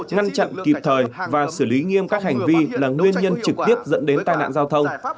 ngăn chặn kịp thời và xử lý nghiêm các hành vi là nguyên nhân trực tiếp dẫn đến tai nạn giao thông